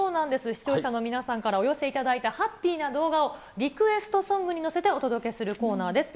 視聴者の皆さんからお寄せいただいたハッピーな動画を、リクエストソングに乗せて、お届けするコーナーです。